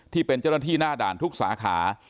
ที่เป็นเจ้าหน้าที่หน้าด่านทุกสาขา